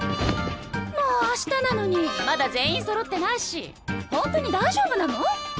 もう明日なのにまだ全員そろってないしホントに大丈夫なの？